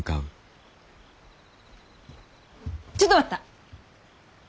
ちょっと待った。